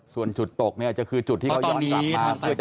ส่วนจุดตกเนี่ยจะคือจุดที่เขาย้อนกลับมาเพื่อจะกลับอู่จอดเรือ